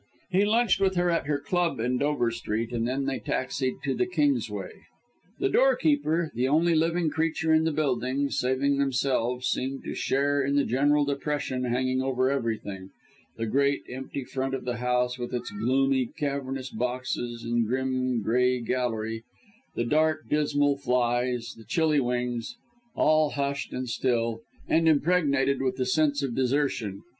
He lunched with her at her club in Dover Street, and then they taxied to the Kingsway. The door keeper, the only living creature in the building, saving themselves, seemed to share in the general depression hanging over everything the great, empty front of the house with its gloomy, cavernous boxes and grim, grey gallery the dark, dismal flies the chilly wings all hushed and still, and impregnated with the sense of desertion.